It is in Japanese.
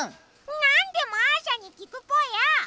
なんでマーシャに聞くぽよ！